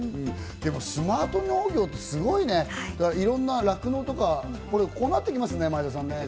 でもスマート農業ってすごいね、いろんな酪農とか、こうなってきますね、前田さん。